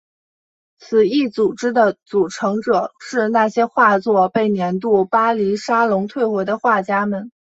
此一组织的组成者是那些画作被年度巴黎沙龙退回的画家们。